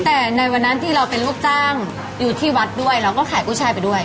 แต่ในวันนั้นที่เราเป็นลูกจ้างอยู่ที่วัดด้วยเราก็ขายกุ้ยชายไปด้วย